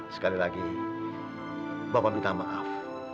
sekali lagi bapak minta maaf